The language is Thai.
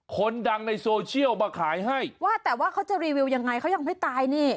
คนดังในโซเชียลมาขายให้ว่าแต่ว่าเขาจะรีวิวยังไงเขายังไม่ตายนี่